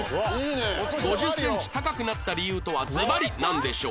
５０センチ高くなった理由とはずばりなんでしょう？